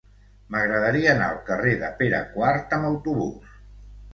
M'agradaria anar al carrer de Pere IV amb autobús.